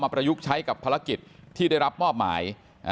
ประยุกต์ใช้กับภารกิจที่ได้รับมอบหมาย